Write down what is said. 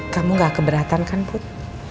kamu gak keberatan kan put